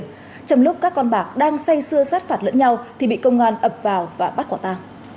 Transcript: trong lúc các con bạc đang say xưa sát phạt lẫn nhau thì bị công an ập vào và bắt quả ta